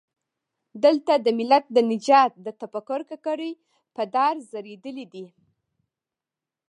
دلته د ملت د نجات تفکر ککرۍ پر دار ځړېدلي دي.